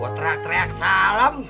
gue teriak teriak salam